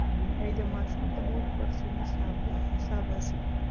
ویده ماشوم د مور پر سینه سا باسي